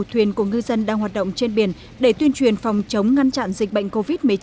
thuyền của ngư dân đang hoạt động trên biển để tuyên truyền phòng chống ngăn chặn dịch bệnh covid một mươi chín